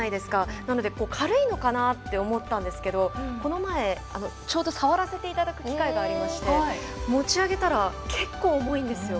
なので、軽いのかなと思ったんですけどこの前、ちょうど触らせていただく機会あがりまして持ち上げたら結構重いんですよ。